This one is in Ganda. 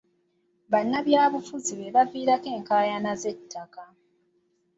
Bannabyabufuzi be baviirako enkaayana z'ettaka.